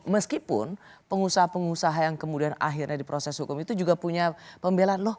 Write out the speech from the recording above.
meskipun pengusaha pengusaha yang kemudian akhirnya di proses hukum itu juga punya pembelajaran